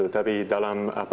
tapi dalam apa